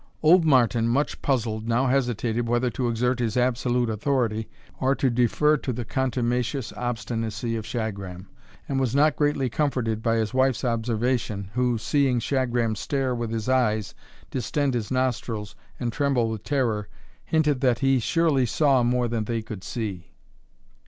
Old Martin, much puzzled, now hesitated whether to exert his absolute authority, or to defer to the contumacious obstinacy of Shagram, and was not greatly comforted by his wife's observation, who, seeing Shagram stare with his eyes, distend his nostrils, and tremble with terror, hinted that "he surely saw more than they could see."